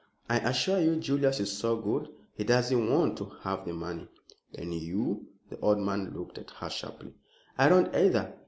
I assure you Julius is so good, he doesn't want to have the money." "And you?" The old man looked at her sharply. "I don't either.